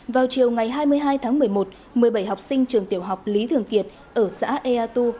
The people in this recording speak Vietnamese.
vào chiều ngày hai mươi hai tháng một mươi một một mươi bảy học sinh trường tiểu học lý thường kiệt ở xã eatu